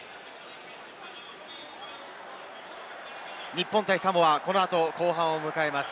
日本対サモア、このあと後半を迎えます。